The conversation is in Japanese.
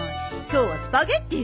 今日はスパゲティ。